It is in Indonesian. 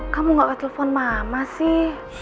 kamu gak telepon mama sih